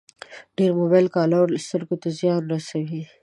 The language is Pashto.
ډېر موبایل کارول سترګو ته زیان رسوي.